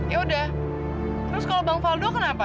yaudah terus kalau bang faldo kenapa